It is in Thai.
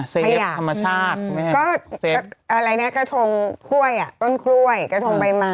เซฟธรรมชาติอะไรแน่นี้กระทงข้วยต้นคล้วยกระทงใบไม้